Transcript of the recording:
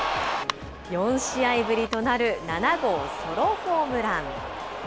４試合ぶりとなる７号ソロホームラン。